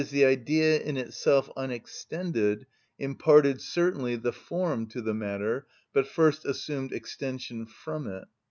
_, the Idea, in itself unextended, imparted certainly the form to the matter, but first assumed extension from it.